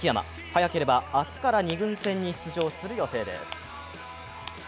早ければ明日から２軍戦に出場する予定です。